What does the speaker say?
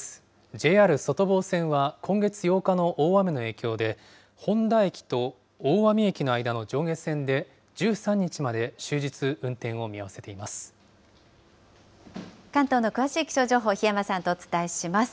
ＪＲ外房線は、今月８日の大雨の影響で、誉田駅と大網駅の間の上下線で１３日まで終日運転を見合わせてい関東の詳しい気象情報、檜山さんとお伝えします。